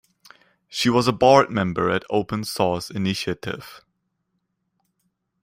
She was a board member at Open Source Initiative.